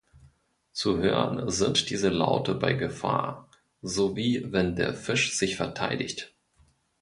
Zu hören sind diese Laute bei Gefahr sowie wenn der Fisch sich verteidigt.